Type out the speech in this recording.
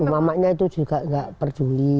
mamanya itu juga gak peduli